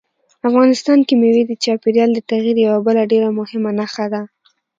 افغانستان کې مېوې د چاپېریال د تغیر یوه بله ډېره مهمه نښه ده.